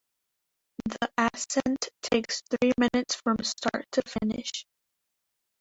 The ascent takes three minutes from start to finish.